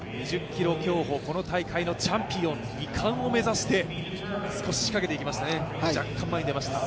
２０ｋｍ競歩、この大会のチャンピオン２冠を目指して少し仕掛けていきましたね、若干前に出ました。